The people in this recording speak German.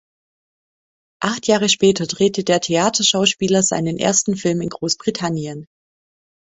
Acht Jahre später drehte der Theaterschauspieler seinen ersten Film in Großbritannien.